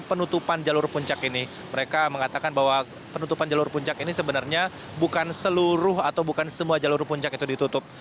penutupan jalur puncak ini mereka mengatakan bahwa penutupan jalur puncak ini sebenarnya bukan seluruh atau bukan semua jalur puncak itu ditutup